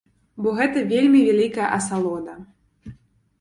Бо гэта вельмі вялікая асалода.